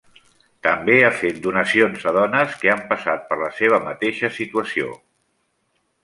També ha fet donacions a dones que han passat per la seva mateixa situació.